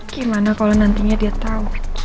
gimana kalau nantinya dia tahu